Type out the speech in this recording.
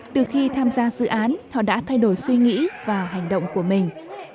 từ khi tham gia dự án họ đã thay đổi suy nghĩ và hành động của mình